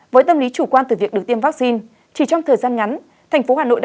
với tâm lý chủ quan từ việc được tiêm vaccine chỉ trong thời gian ngắn thành phố hà nội đã